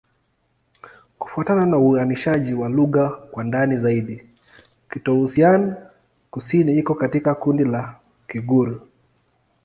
Kufuatana na uainishaji wa lugha kwa ndani zaidi, Kitoussian-Kusini iko katika kundi la Kigur.